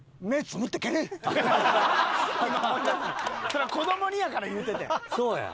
それは子供にやから言うてたんや。